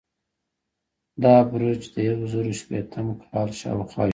دا برج د یو زرو شپیتم کال شاوخوا جوړ شو.